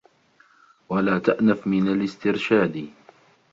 وَلَا تَأْنَفْ مِنْ الِاسْتِرْشَادِ